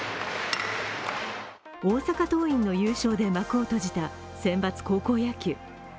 大阪桐蔭の優勝で幕を閉じた選抜高校野球。